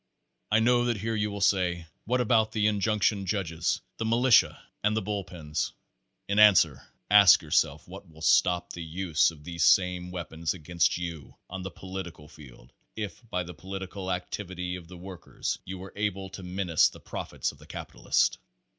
I know that here you will say: what about the in junction judges, the militia and the bull pens? In an swer, ask yourself what will stop the use of these same weapons against you on the political field if by the po litical activity of the workers you were able to menace the profits of the capitalist?